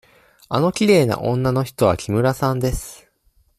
あのきれいな女の人は木村さんです。